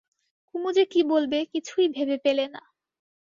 কুমু কী যে বলবে কিছুই ভেবে পেলে না।